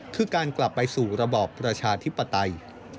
คือการกลับไปสู่ระบอบประชาธิปไตย